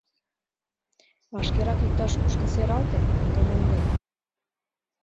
Вашкерак иктаж-кушко сералте, ато мондем.